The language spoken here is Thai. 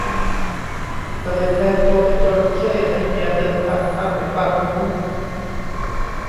ก็เลยแปลงตัวเป็นจระเข้ให้เมียเดินทางข้ามไปฟากนู้น